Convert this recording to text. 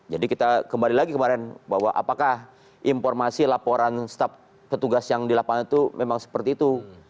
jadi kita kembali lagi kemarin bahwa apakah informasi laporan staff petugas yang di lapangan itu memang seperti itu